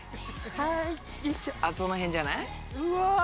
その辺じゃない？